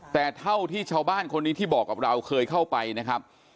แต่เท่าที่ชาวบ้านคนนี้ที่บอกกับเราเคยเข้าไปนะครับ